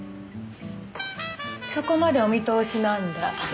そこまでお見通しなんだ。